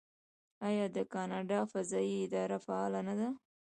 آیا د کاناډا فضایی اداره فعاله نه ده؟